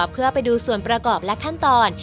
เพื่อไปดูส่วนประกอบและขั้นตอน